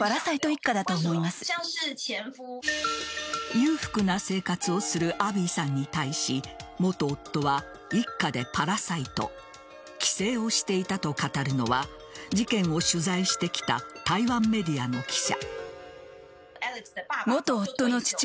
裕福な生活をするアビーさんに対し元夫は一家でパラサイト寄生をしていたと語るのは事件を取材してきた台湾メディアの記者。